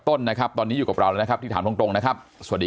ต้นนะครับตอนนี้อยู่กับเราแล้วนะครับที่ถามตรงนะครับสวัสดี